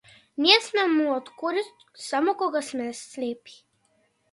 Ние сме му од корист само кога сме слепи.